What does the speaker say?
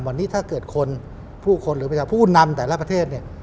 วันนี้ถ้าเกิดคนผู้คนหรือประชาชนผู้นำแต่ละประเทศเนี่ย